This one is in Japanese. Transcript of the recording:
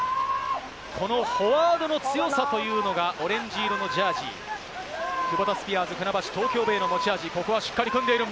このフォワードの強さというのが、オレンジ色のジャージー、クボタスピアーズ船橋・東京ベイの持ち味、しっかり組んでいる。